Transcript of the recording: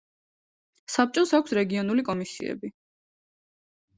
საბჭოს აქვს რეგიონული კომისიები.